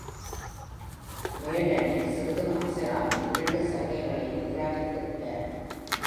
Moerdani, சிறிதும் அசராமல் இரண்டு சலுகைகளையும் நிராகத்துவிட்டார்.